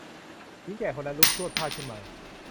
หญิงแก่คนนั้นลุกพรวดพราดขึ้นมา